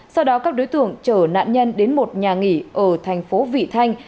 sau đó các đối tượng chở nạn nhân đến một nhà nghỉ ở thành phố vị thanh